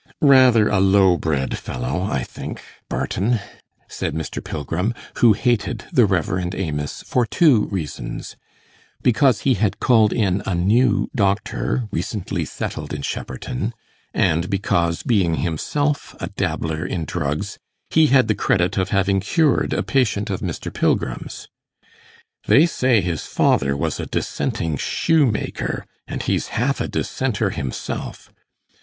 'Rather a low bred fellow, I think, Barton,' said Mr. Pilgrim, who hated the Reverend Amos for two reasons because he had called in a new doctor, recently settled in Shepperton; and because, being himself a dabbler in drugs, he had the credit of having cured a patient of Mr. Pilgrim's. 'They say his father was a Dissenting shoemaker; and he's half a Dissenter himself.